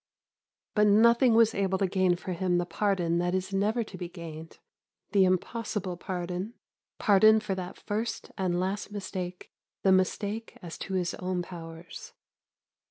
But nothing was able to gain for him the pardon that is never to be gained, the impossible pardon pardon for that first and last mistake the mistake as to his own powers.